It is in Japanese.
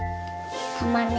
たまねぎ。